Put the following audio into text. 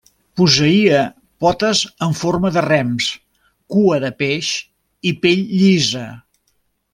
Posseïa potes en forma de rems, cua de peix i pell llisa.